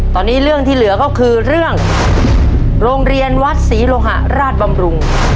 ตอนนี้เรื่องที่เหลือก็คือเรื่องโรงเรียนวัดศรีโลหะราชบำรุง